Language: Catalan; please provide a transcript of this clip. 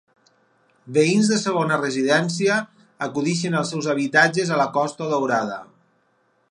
Veïns de segona residència acudeixen als seus habitatges a la Costa Daurada